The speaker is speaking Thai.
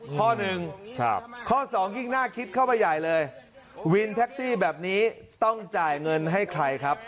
ข้อหนึ่งข้อสองยิ่งน่าคิดเข้าไปใหญ่เลยวินแท็กซี่แบบนี้ต้องจ่ายเงินให้ใครครับ